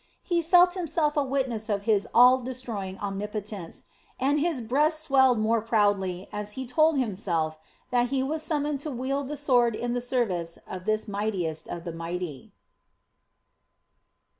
He felt himself a witness of His all destroying omnipotence, and his breast swelled more proudly as he told himself that he was summoned to wield the sword in the service of this Mightiest of the Mighty.